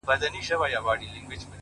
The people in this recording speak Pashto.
تا د حسنينو د ښکلا فلسفه څه لوستې ده;